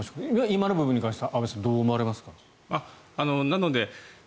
今の部分に関しては阿部さん、どう思われますか？